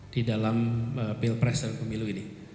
di dalam pil presiden pemilu ini